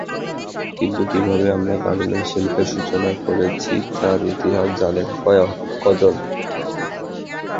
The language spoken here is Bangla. কিন্তু কীভাবে আমরা গার্মেন্টস শিল্পের সূচনা করেছি, তার ইতিহাস জানেন কজন।